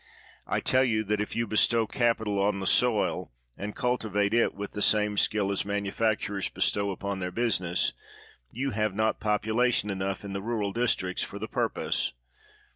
I tell you that, if you bestow capital on the soil, and cultivate it with the same skill as manufacturers bestow upon their business, you have not popu lation enough in the rural districts for the pur pose.